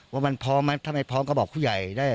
ว่ามันพร้อมไหมถ้าไม่พร้อมก็บอกผู้ใหญ่ได้